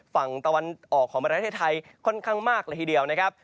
ฝั่งตะวันออกของประเทศไทยค่อนข้างมากเลยทีเดียวนะครับ